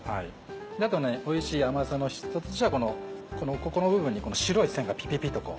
あとねおいしい甘さの一つとしてはここの部分にこの白い線がピピピと。